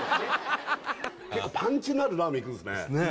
パンチのあるラーメン行くんすね